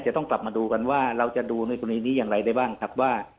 มาดูกันว่าเราจะดูในคุณีนี้อย่างไรได้บ้างครับว่า